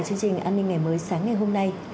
chương trình an ninh ngày mới sáng ngày hôm nay